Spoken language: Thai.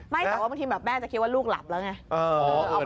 ไม่แต่ว่าไหมแบ่จะคิดว่าลูกหลับแล้วไง